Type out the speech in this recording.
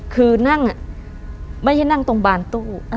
คือนั่งไม่ใช่นั่งตรงบานตู้